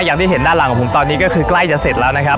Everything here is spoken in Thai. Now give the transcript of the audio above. อย่างที่เห็นด้านหลังของผมตอนนี้ก็คือใกล้จะเสร็จแล้วนะครับ